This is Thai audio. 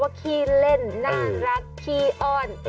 ขี้เล่นน่ารักขี้อ้อน